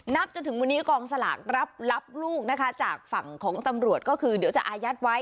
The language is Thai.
จนถึงวันนี้กองสลากรับลูกนะคะจากฝั่งของตำรวจก็คือเดี๋ยวจะอายัดไว้